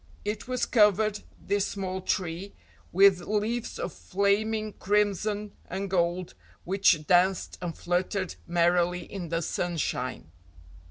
It was covered, this small tree, with leaves of flaming crimson and gold which danced and fluttered merrily in the sunshine.